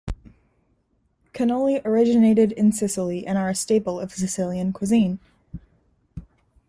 Cannoli originated in Sicily and are a staple of Sicilian cuisine.